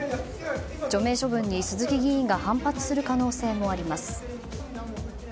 除名処分に鈴木議員が反発する可能性もあります。